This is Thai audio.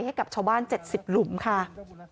ให้กับชาวบ้านเจ็ดสิบหลุมค่ะ